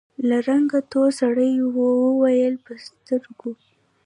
له رنګه تور سړي وويل: په سترګو!